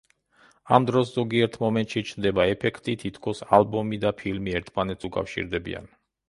ამ დროს ზოგიერთ მომენტში ჩნდება ეფექტი, თითქოს ალბომი და ფილმი ერთმანეთს უკავშირდებიან.